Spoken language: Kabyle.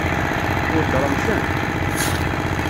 Tweddṛem-tent?